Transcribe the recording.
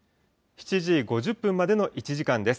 ７時５０分までの１時間です。